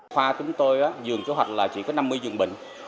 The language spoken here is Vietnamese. khoa chúng tôi dường chỗ hoạch là chỉ có năm mươi dường bệnh